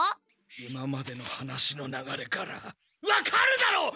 今までの話の流れからわかるだろう！